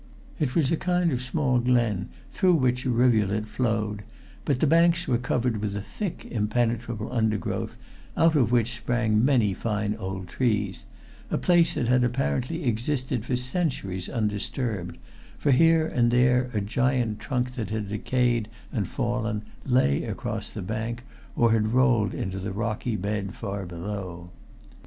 It was a kind of small glen through which a rivulet flowed, but the banks were covered with a thick impenetrable undergrowth out of which sprang many fine old trees, a place that had apparently existed for centuries undisturbed, for here and there a giant trunk that had decayed and fallen lay across the bank, or had rolled into the rocky bed far below.